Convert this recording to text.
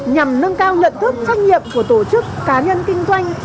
nhằm nâng cao nhận thức trách nhiệm của tổ chức cá nhân kinh doanh